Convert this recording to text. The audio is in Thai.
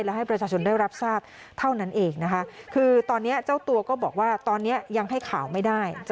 และให้ประชาชนได้รับทราบเท่านั้นเองนะคะคือตอนนี้เจ้าตัวก็บอกว่าตอนนี้ยังให้ข่าวไม่ได้